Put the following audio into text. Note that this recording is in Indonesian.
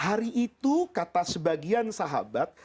hari itu kata sebagian sahabat